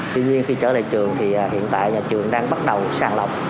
tuy nhiên khi trở lại trường thì hiện tại nhà trường đang bắt đầu sàng lọc